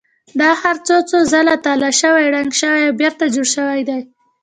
دا ښار څو څو ځله تالا شوی، ړنګ شوی او بېرته جوړ شوی دی.